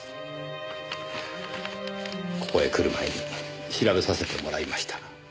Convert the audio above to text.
ここへ来る前に調べさせてもらいました。